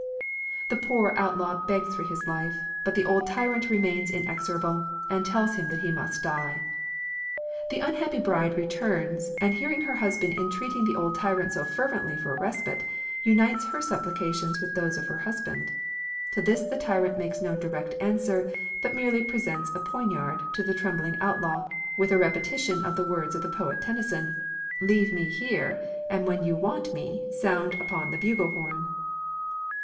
The poor outlaw begs for his life; but the old tyrant remains inexorable, and tells him that he must die. The unhappy bride returns, and hearing her husband entreating the old tyrant so fervently for a respite, unites her supplications with those of her husband. To this the tyrant makes no direct answer, but merely presents a poignard to the trembling outlaw, with a repetition of the words of the poet Tennyson. "Leave me here, and when you want me Sound upon the bugle horn."